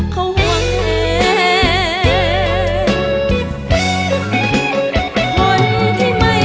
ขอห่วงให้